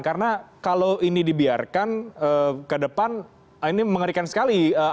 karena kalau ini dibiarkan ke depan ini mengerikan sekali